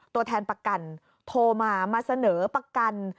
ตัวแทนประกันโทรมามาเสนอประกัน